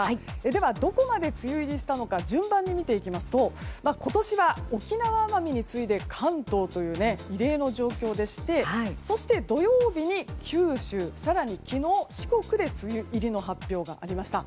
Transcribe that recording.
では、どこまで梅雨入りしたのか順番に見ていきますと今年は沖縄・奄美に続いて関東という異例の状況でしてそして、土曜日に九州更に昨日、四国で梅雨入りの発表がありました。